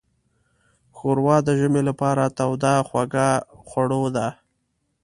ښوروا د ژمي لپاره توده خوږه خوړو ده.